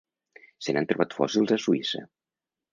Se n'han trobat fòssils a Suïssa.